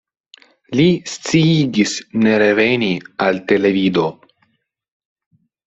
Li sciigis ne reveni al televido.